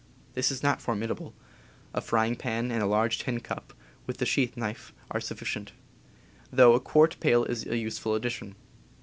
This is not formidable. A frying .. pan and a large tin cup, with the sheath _,.^. knife, are sufficient; though a quart ^* pail is a useful addition.